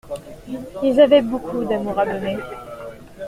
Ils avaient beaucoup d’amour à donner.